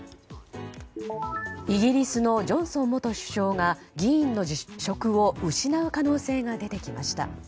イギリスのジョンソン元首相が議員の職を失う可能性が出てきました。